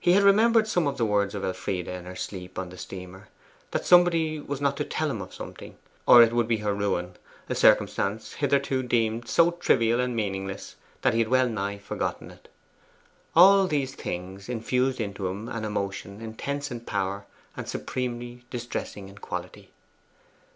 He had remembered some of the words of Elfride in her sleep on the steamer, that somebody was not to tell him of something, or it would be her ruin a circumstance hitherto deemed so trivial and meaningless that he had well nigh forgotten it. All these things infused into him an emotion intense in power and supremely distressing in quality.